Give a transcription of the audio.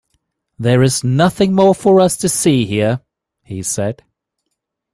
"There is nothing more for us to see here," he said.